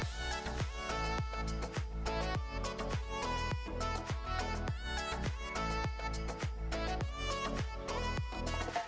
sampai jumpa lagi